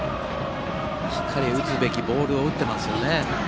しっかり打つべきボールを打ってますよね。